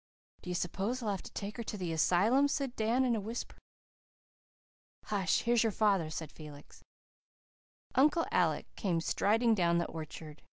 "Do you s'pose they'll have to take her to the asylum?" said Dan in a whisper. "Hush, here's your father," said Felix. Uncle Alec came striding down the orchard.